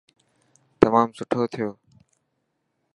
تمام سٺو ٿيو.